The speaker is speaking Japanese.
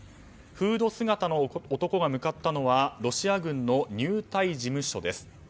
フード姿の男が向かったのはロシア軍の入隊事務所です。